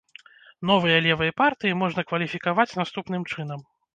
Новыя левыя партыі можна кваліфікаваць наступным чынам.